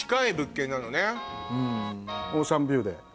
オーシャンビューで。